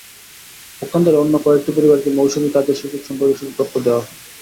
পক্ষান্তরে অন্য কয়েকটি পরিবারকে মৌসুমি কাজের সুযোগ সম্পর্কে শুধু তথ্য দেওয়া হয়।